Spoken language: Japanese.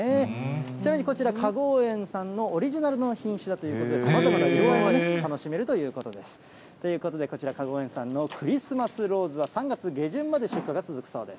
ちなみにこちら、花郷園さんのオリジナルの品種だということで、さまざまな色合いが楽しめるということです。ということで、こちら、花郷園さんのクリスマスローズは３月下旬まで出荷が続くそうです。